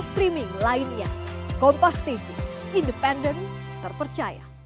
streaming lainnya kompas tv independen terpercaya